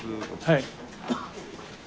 はい。